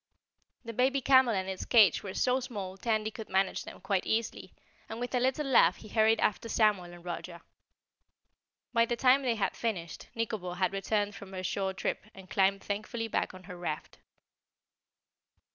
The baby camel and its cage were so small Tandy could manage them quite easily, and with a little laugh he hurried after Samuel and Roger. By the time they had finished Nikobo had returned from her shore trip and climbed thankfully back on her raft.